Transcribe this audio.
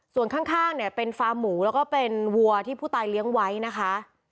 ส่วนข้างเนี่ยเป็นฟาร์มหมูแล้วก็เป็นวัวที่ผู้ตายเลี้ยงไว้นะคะ